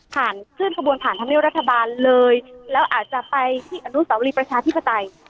เคลื่อนขบวนผ่านธรรมเนียบรัฐบาลเลยแล้วอาจจะไปที่อนุสาวรีประชาธิปไตย